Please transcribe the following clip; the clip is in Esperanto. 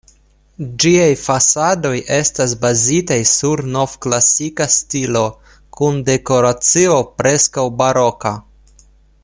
Ĝiaj fasadoj estas bazitaj sur nov-klasika stilo, kun dekoracio preskaŭ-baroka.